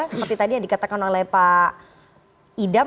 seperti tadi yang dikatakan oleh pak idam